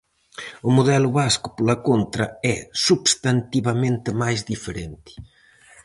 O modelo vasco, pola contra, é substantivamente máis diferente.